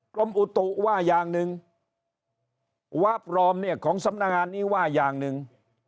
กรมอุตุว่าอย่างหนึ่งวาบปลอมเนี่ยของสำนักงานนี้ว่าอย่างหนึ่ง